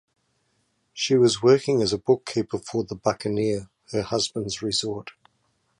She was working as a bookkeeper for The Buccaneer, her husband's resort.